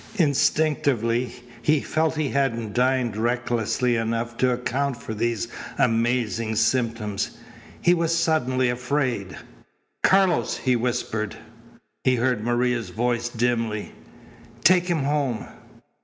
Instinctively he felt he hadn't dined recklessly enough to account for these amazing symptoms. He was suddenly afraid. "Carlos!" he whispered. He heard Maria's voice dimly: "Take him home."